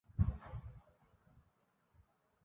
তিনি মঙ্গলোর মাদ্রাসার অধ্যক্ষ হন।